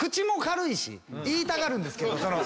言いたがるんですけど。